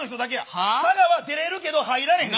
佐賀は出れるけど入られへん！